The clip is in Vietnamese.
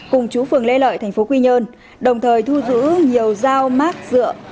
cùng chú phường lê lợi tp quy nhơn đồng thời thu giữ nhiều dao mát dựa